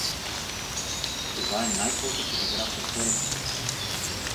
Това е най-после подигравка с хората!